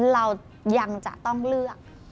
เรายังจะต้องเลือก